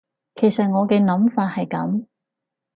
其實我嘅諗法係噉